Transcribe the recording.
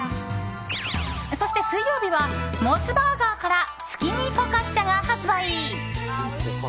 そして水曜日はモスバーガーから月見フォカッチャが発売。